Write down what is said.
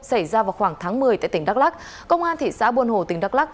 xảy ra vào khoảng tháng một mươi tại tỉnh đắk lắc công an thị xã buôn hồ tỉnh đắk lắc